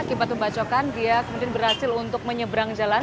akibat pembacokan dia kemudian berhasil untuk menyeberang jalan